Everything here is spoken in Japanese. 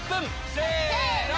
せの！